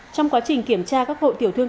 trong quá trình kiểm tra các hội tiểu thương